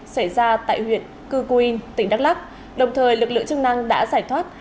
xảy ra tại huyện cư quyên tỉnh đắk lắk đồng thời lực lượng chức năng đã giải thoát